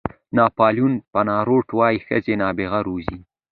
ناپلیون بناپارټ وایي ښځې نابغه روزي.